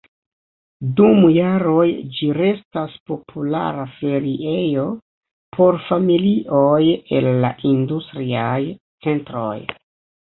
Dum jaroj ĝi restas populara feriejo por familioj el la industriaj centroj.